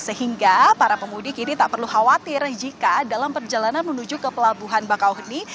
sehingga para pemudik ini tak perlu khawatir jika dalam perjalanan menuju ke pelabuhan bakauheni